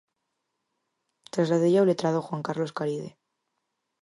Trasladeilla ao letrado Juan Carlos Caride.